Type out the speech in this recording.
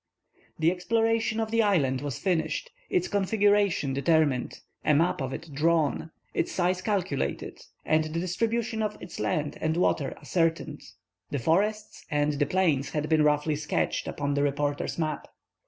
The exploration of the island was finished, its configuration determined, a map of it drawn, its size calculated, and the distribution of its land and water ascertained. The forests and the plains had been roughly sketched upon the reporter's map.